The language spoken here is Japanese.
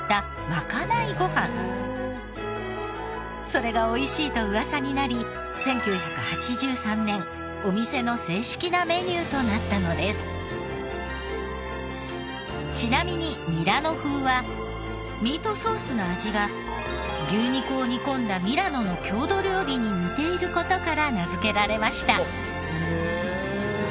それが美味しいと噂になりちなみにミラノ風はミートソースの味が牛肉を煮込んだミラノの郷土料理に似ている事から名付けられました。